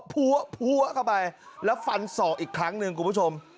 พัวเข้าไปแล้วฟันศอกอีกครั้งหนึ่งคุณผู้ชม